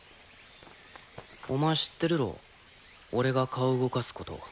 お前知ってるろ俺が顔動かすこと。